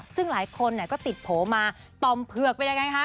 ซึ่งหลายคนก็ติดโผล่มาต่อมเผือกเป็นยังไงคะ